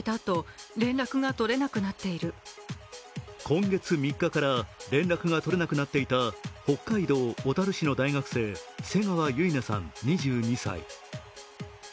今月３日から連絡が取れなくなっていた北海道小樽市の大学生瀬川結菜さん２２歳。